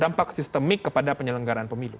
dampak sistemik kepada penyelenggaraan pemilu